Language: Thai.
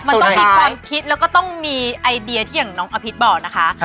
มันต้องมีความคิดแล้วก็ต้องมีไอเดียที่อย่างน้องอภิษบอกนะคะ